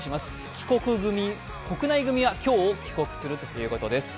帰国組、国内組は今日、帰国するということです。